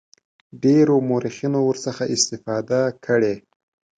ډیرو مورخینو ورڅخه استفاده کړې.